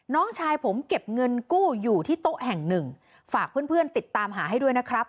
น้องชายผมเก็บเงินกู้อยู่ที่โต๊ะแห่งหนึ่งฝากเพื่อนเพื่อนติดตามหาให้ด้วยนะครับ